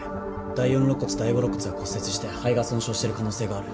第４肋骨第５肋骨が骨折して肺が損傷してる可能性がある。